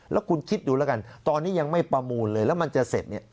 แล้วคุณคิดดูแล้วกันตอนนี้ยังไม่ประมูลเลยแล้วมันจะเสร็จเนี่ย